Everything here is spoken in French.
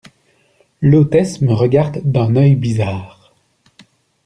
L’hôtesse me regarde d'un œil bizarre.